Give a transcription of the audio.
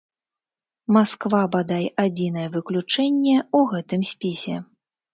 Масква, бадай, адзінае выключэнне ў гэтым спісе.